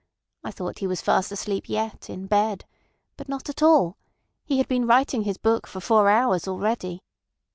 I thought he was fast asleep yet, in bed. But not at all. He had been writing his book for four hours already.